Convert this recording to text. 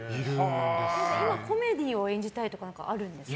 今、コメディーを演じたりとかあるんですか？